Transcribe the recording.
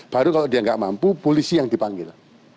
baru kalau dia nggak mampu polisi yang dipanggil